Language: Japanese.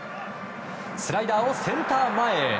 スライダーをセンター前へ。